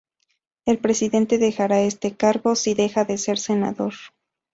El presidente dejará este cargo si deja de ser Senador.